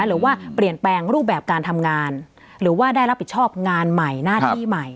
หรือว่าเปลี่ยนแปลงรูปแบบการทำงานหรือว่าได้รับผิดชอบงานใหม่หน้าที่ใหม่